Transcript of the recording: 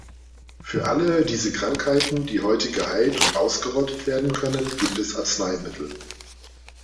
Für alle diese Krankheiten, die heute geheilt und ausgerottet werden können, gibt es Arzneimittel.